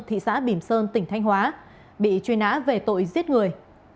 thị xã bìm sơn tỉnh thanh hóa bị truy nã về tội giết người